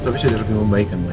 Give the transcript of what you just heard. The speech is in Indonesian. tapi sudah lebih membaik kan mbak